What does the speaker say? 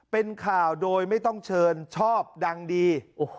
เป็นข่าวโดยไม่ต้องเชิญชอบดังดี